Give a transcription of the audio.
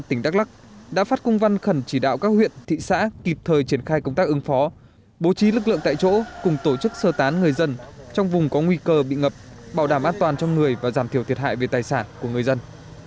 tỉnh đắk lắc đã phát cung văn khẩn chỉ đạo các huyện thị xã kịp thời triển khai công tác ứng phó bố trí lực lượng tại chỗ cùng tổ chức sơ tán người dân trong vùng có nguy cơ bị ngập bảo đảm an toàn trong người và giảm thiểu thiệt hại về tài sản của người dân